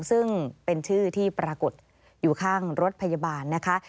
ซึ่งเป็นชื่อที่ปรากฏอยู่ข้างรถพยาบาลนะคะ